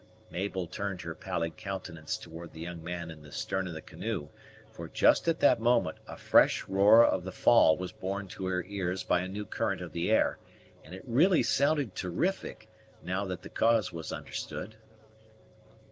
Mabel turned her pallid countenance towards the young man in the stern of the canoe; for, just at that moment, a fresh roar of the fall was borne to her ears by a new current of the air, and it really sounded terrific, now that the cause was understood.